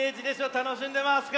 たのしんでますか？